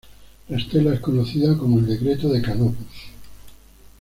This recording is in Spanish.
La estela es conocida como el Decreto de Canopus.